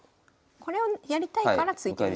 これをやりたいから突いてるんですね。